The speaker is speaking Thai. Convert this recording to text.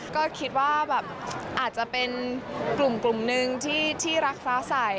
ก็คิดว่าแบบอาจจะเป็นกลุ่มนึงที่รักฟ้าใส